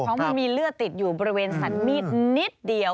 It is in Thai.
เพราะมันมีเลือดติดอยู่บริเวณสันมีดนิดเดียว